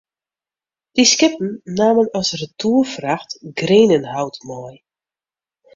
Dy skippen namen as retoerfracht grenenhout mei.